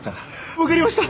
分かりました。